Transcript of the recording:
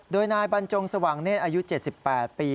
โดยนายบรรจงสว่างเนธอายุ๗๘ปี